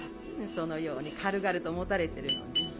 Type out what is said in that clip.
そのように軽々と持たれてるのに。